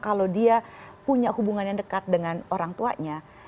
kalau dia punya hubungan yang dekat dengan orang tuanya